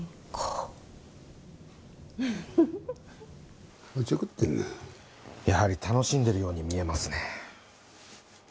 やはり楽しんでるように見えますね。